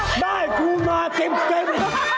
ได้ครูมาเต็ม